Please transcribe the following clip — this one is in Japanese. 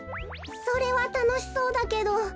それはたのしそうだけど。